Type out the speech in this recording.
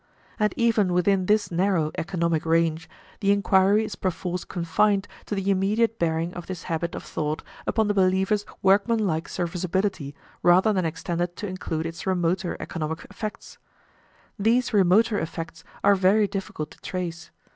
And even within this narrow, economic range, the inquiry is perforce confined to the immediate bearing of this habit of thought upon the believer's workmanlike serviceability, rather than extended to include its remoter economic effects. These remoter effects are very difficult to trace.